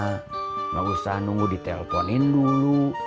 tidak usah nunggu diteleponin dulu